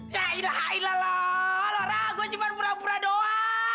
ya ilah ilah loh laura gue cuma pura pura doa